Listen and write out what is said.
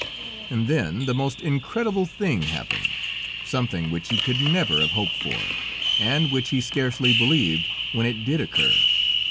And then, the most incredible thing happened, something which he could never have hoped for, and which he scarcely believed when it did occur.